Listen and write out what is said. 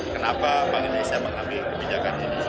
kenapa bank indonesia mengambil kebijakan ini